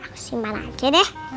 aku simpan aja deh